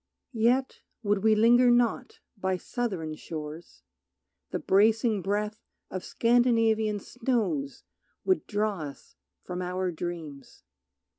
Yet would we linger not by southern shores; The bracing breath of Scandinavian snows Would draw us from our dreams.